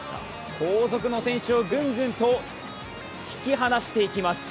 後続の選手をぐんぐんと引き離していきます。